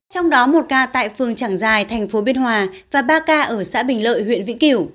trong đó một ca tại phường trảng giài tp biên hòa và ba ca ở xã bình lợi huyện vĩnh cửu